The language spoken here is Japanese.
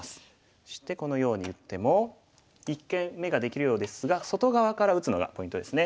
そしてこのように打っても一見眼ができるようですが外側から打つのがポイントですね。